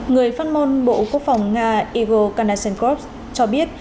người phát môn bộ quốc phòng nga igor kandashenkov cho biết